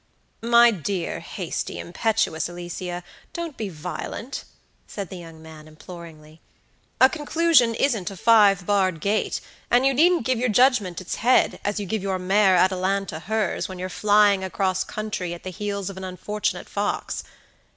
"My dear, hasty, impetuous Alicia, don't be violent," said the young man imploringly. "A conclusion isn't a five barred gate; and you needn't give your judgment its head, as you give your mare Atalanta hers, when you're flying across country at the heels of an unfortunate fox.